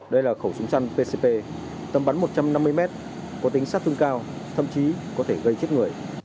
đây là khẩu súng săn pcp tầm bắn một trăm năm mươi m có tính sát thương cao thậm chí có thể gây chết người